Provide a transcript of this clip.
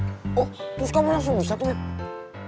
oh terus kamu langsung bisa tuh beb